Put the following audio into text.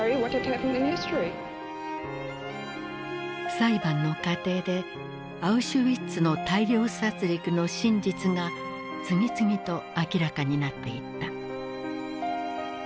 裁判の過程でアウシュビッツの大量殺りくの真実が次々と明らかになっていった。